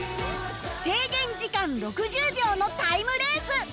制限時間６０秒のタイムレース